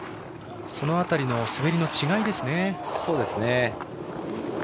その辺りの滑りの違いですね。